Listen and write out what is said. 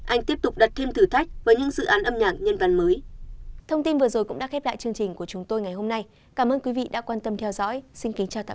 anh tiếp tục đặt thêm thử thách với những dự án âm nhạc nhân văn mới